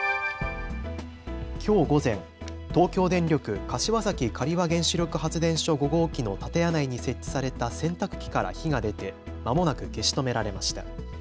きょう午前、東京電力柏崎刈羽原子力発電所５号機の建屋内に設置された洗濯機から火が出てまもなく消し止められました。